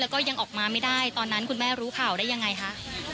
แล้วก็ยังออกมาไม่ได้ตอนนั้นคุณแม่รู้ข่าวได้ยังไงคะ